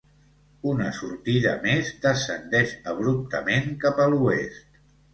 Una sortida més descendeix abruptament cap a l'oest.